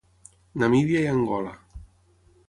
Namíbia i Angola.